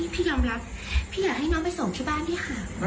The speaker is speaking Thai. พี่ยอมรับพี่อยากให้น้องไปส่งที่บ้านด้วยค่ะ